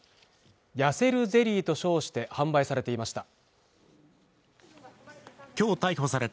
痩せるゼリーと称して販売されていました